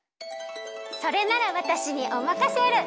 それならわたしにおまかシェル！